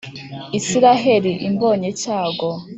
isiraheli imbonye cyago